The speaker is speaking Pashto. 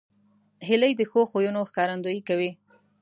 هیلۍ د ښو خویونو ښکارندویي کوي